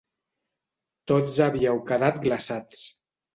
Tots havíeu quedat glaçats.